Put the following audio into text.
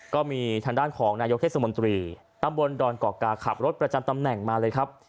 ก็มีทางด้านของนายกเทศมนตรีตำบลดอนกอกกาขับรถประจำตำแหน่งมาเลยครับ